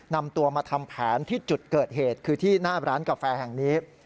นำตัวมาทำแผนที่จุดเกิดเหตุคือที่หน้าร้านกาแฟแห่งนี้